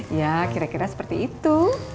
ya kira kira seperti itu